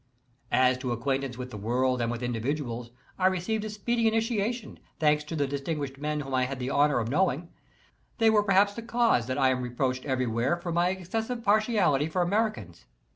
As to acquaintance with the world and with individuals, I received a speedy initiation, thanks to the distinguished men whom I had the honor of knowing; they were per haps the cause that I am reproached everywhere for my tl excessive partiality for Americans.